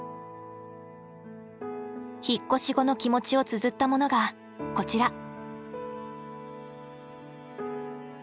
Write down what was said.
引っ越し後の気持ちをつづったものがこちら。